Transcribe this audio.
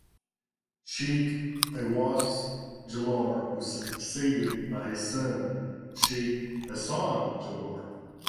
Shaikh Awais Jalayir was succeeded by his son Shaikh Hasan Jalayir.